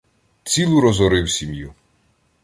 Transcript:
Цілу розорив сім’ю.